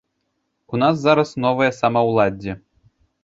У нас зараз новае самаўладдзе.